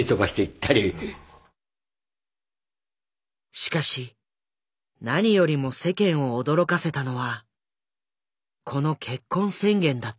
しかし何よりも世間を驚かせたのはこの「結婚宣言」だった。